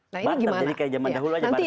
nah ini gimana